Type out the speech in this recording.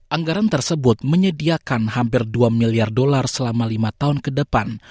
anggaran tersebut menyediakan hampir dua miliar dolar selama lima tahun ke depan